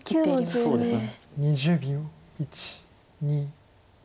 そうですね。